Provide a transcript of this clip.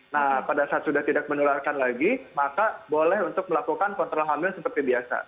nah pada saat sudah tidak menularkan lagi maka boleh untuk melakukan kontrol hamil seperti biasa